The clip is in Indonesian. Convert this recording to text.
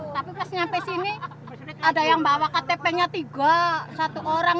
tapi pas nyampe sini ada yang bawa ktp nya tiga satu orang